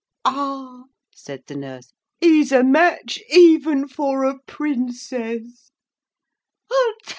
'Ah,' said the nurse, 'he's a match even for a Princess.'